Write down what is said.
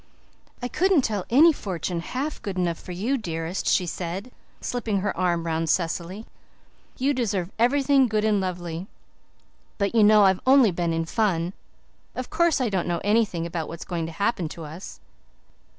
"I couldn't tell any fortune half good enough for you, dearest," she said, slipping her arm round Cecily. "You deserve everything good and lovely. But you know I've only been in fun of course I don't know anything about what's going to happen to us."